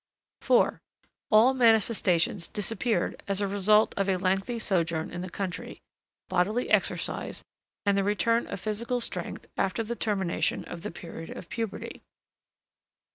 4. All manifestations disappeared as a result of a lengthy sojourn in the country, bodily exercise, and the return of physical strength after the termination of the period of puberty.